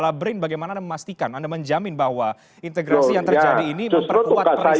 nah brin bagaimana anda memastikan anda menjamin bahwa integrasi yang terjadi ini memperkuat perisian dan juga penelitian